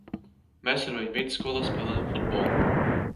Mēs ar viņu vidusskolā spēlējām futbolu.